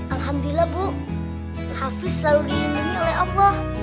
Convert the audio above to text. alhamdulillah bu hafiz selalu diindungi oleh allah